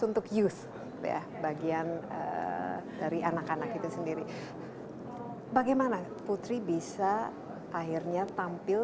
untuk use ya bagian dari anak anak itu sendiri bagaimana putri bisa akhirnya tampil